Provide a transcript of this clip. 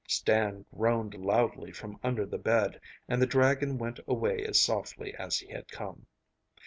Stan groaned loudly from under the bed, and the dragon went away as softly as he had come.